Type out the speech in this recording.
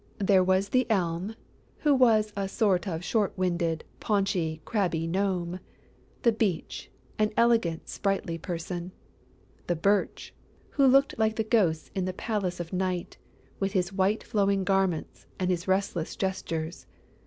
There was the Elm, who was a sort of short winded, paunchy, crabby gnome; the Beech, an elegant, sprightly person; the Birch, who looked like the ghosts in the Palace of Night, with his white flowing garments and his restless gestures.